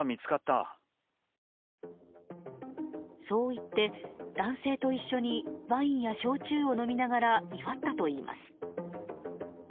そう言って男性と一緒にワインや焼酎を飲みながら祝ったといいます。